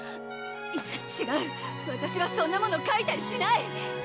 いやちがうわたしはそんなものかいたりしない！